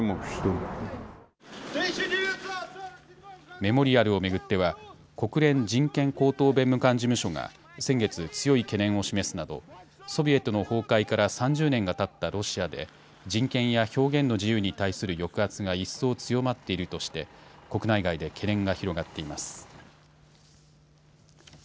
メモリアルを巡っては、国連人権高等弁務官事務所が先月、強い懸念を示すなど、ソビエトの崩壊から３０年がたったロシアで、人権や表現の自由に対する抑圧が一層強まっているとして、国内外で懸念が広がっています。